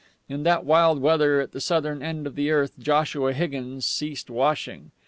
In that wild weather at the southern end of the earth, Joshua Higgins ceased washing.